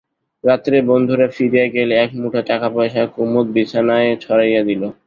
রাত্রে বন্ধুরা ফিরিয়া গেলে একমুঠা টাকাপয়সা কুমুদ বিছানায় ছড়াইয়া দিল।